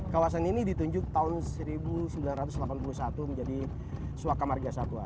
kawasan ini ditunjuk tahun seribu sembilan ratus delapan puluh satu menjadi suak kamar jasa tua